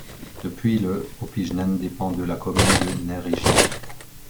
Depuis le Opijnen dépend de la commune de Neerijnen.